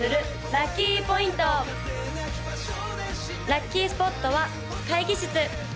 ・ラッキースポットは会議室